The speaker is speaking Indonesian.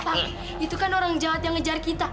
pak itu kan orang jahat yang ngejar kita